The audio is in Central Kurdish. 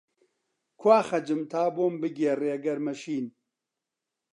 کوا «خەج»م تا بۆم بگێڕێ گەرمە شین؟!